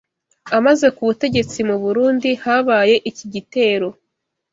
amaze ku butegetsi mu Burundi habaye iki gitero,